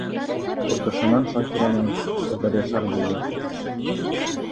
Ҡурҡышынан Шакираның күҙҙәре шар булды.